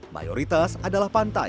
mayoritas adalah pantai